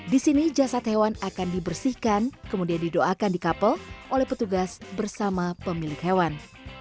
di sini jasad hewan akan dibersihkan kemudian didoakan di kapel oleh petugas bersama pemilik hewan